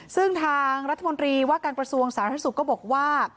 ซึ่งทางรัฐมนตรีว่าการประสูงสารทรัศน์สุขก็บอกว่า